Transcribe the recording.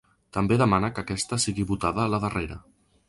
També demana que aquesta sigui votada la darrera.